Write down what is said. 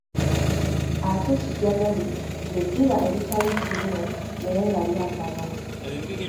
Ate kijagali ly’eddiba eritali kkunye naye nga lyambalwa.